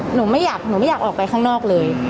หนูไม่อยากออกไปข้างนอกเลย